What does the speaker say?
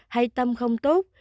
hay tâm không tốt